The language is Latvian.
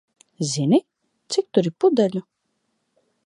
Zini, cik tur ir pudeļu?